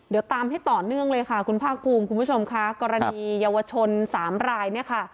เดี๋ยวตามให้ต่อเนื่องเลยค่ะคุณภาคภูมิคุณผู้ชมค่ะกรณีเยาวชนสามรายเนี่ยค่ะ